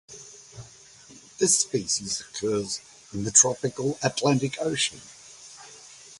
This species occurs in the tropical Atlantic Ocean.